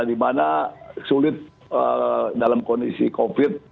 di mana sulit dalam kondisi covid